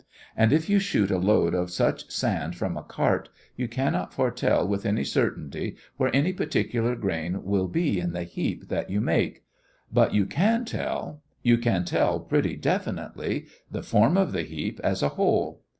And if you shoot a load of such sand from a cart you cannot foretell with any certainty where any particular grain will be in the heap that you make; but you can tell you can tell pretty definitely the form of the heap as a whole.